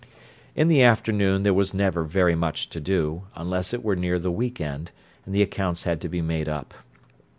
In the afternoon there was never very much to do, unless it were near the week end, and the accounts had to be made up.